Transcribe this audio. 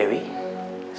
aku mau mandi